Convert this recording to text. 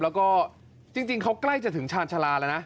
แล้วก็จริงเขากล้ายจะถึงชาญชาลา